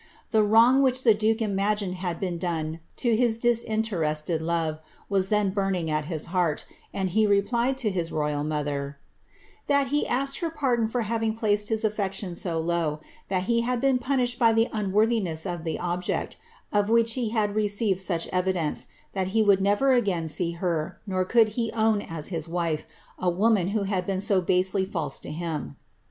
The wrong which the duke imagined had been done to his disinterested ove was then burning at his heart, and he replied to his royal mother, * that he asked her pardon for having placed his affections so low ; tliat le had been punished by the unworthiness of the object, of which he lad received such evidence, that he would never again see her, nor could He own as his wife, a woman who had been so basely false to him.